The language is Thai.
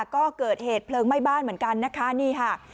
ก็เกิดเหตุเพลิงไหม้บ้านเหมือนกันนะคะนี่ค่ะ